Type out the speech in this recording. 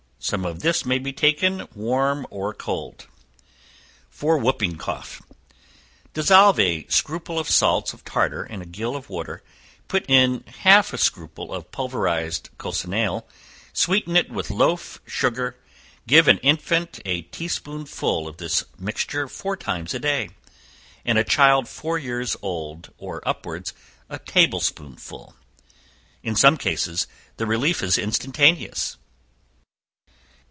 Some of this may be taken warm or cold. For Whooping Cough. Dissolve a scruple of salts of tartar in a gill of water, put in half a scruple of pulverized cochineal, sweeten it with loaf sugar, give an infant a tea spoonful of this mixture four times a day, and a child four years old or upwards, a table spoonful. In some cases the relief is instantaneous.